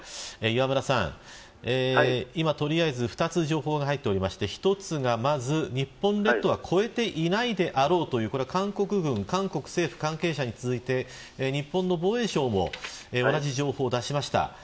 磐村さん、今取りあえず２つ情報が入っていて１つがまず、日本列島は越えていないであろうという韓国政府関係者に続いて日本の防衛省も同じ情報を出しました。